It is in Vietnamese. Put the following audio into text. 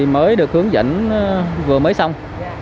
mới được hướng dẫn vừa mới xong